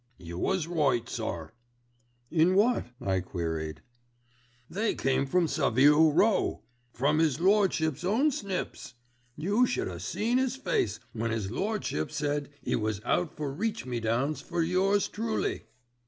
"You was right, sir." "In what?" I queried. "They came from Savile Row, from 'is Lordship's own snips. You should a seen 'is face when 'is Lordship said 'e was out for reach me downs for yours truly."